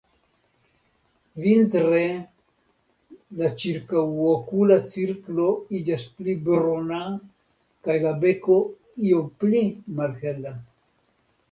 Vintre la ĉirkaŭokula cirklo iĝas pli bruna kaj la beko iome pli malhela.